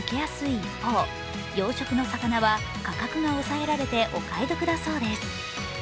一方、養殖の魚は、価格が抑えられてお買い得だそうです。